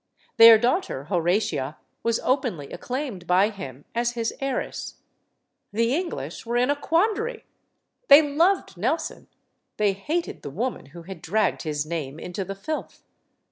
Their daughter, Horatia, was openly acclaimed by him as his heiress. The English were in a quandary. They loved Nelson; they hated the woman who had dragged his name into the filth.